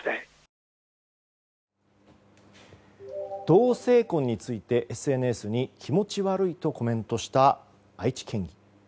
同性婚についてＳＮＳに気持ち悪いとコメントした愛知県議。